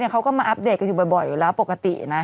เขาก็มาอัปเดตกันอยู่บ่อยอยู่แล้วปกตินะ